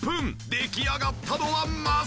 出来上がったのはまさか！